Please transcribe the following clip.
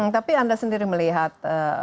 tapi anda sendiri melihat